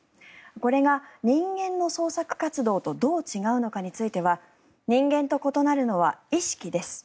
これが人間の創作活動とどう違うのかについては人間と異なるのは意識です